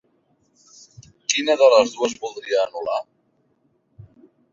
Quina de les dues voldria anul·lar?